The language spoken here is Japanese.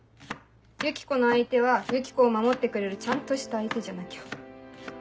ユキコの相手はユキコを守ってくれるちゃんとした相手じゃなきゃ。